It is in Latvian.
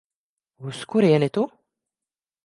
Uz kurieni tu?